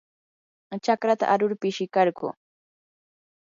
chakrata arur pishikarquu.